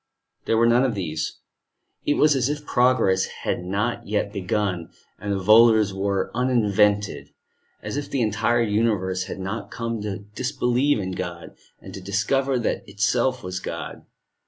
There were none of these. It was as if progress had not yet begun, and volors were uninvented, as if the entire universe had not come to disbelieve in God, and to discover that itself was God.